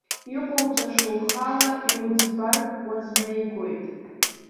Иҟауҵаша ухала иуӡбартә уазнеигоит.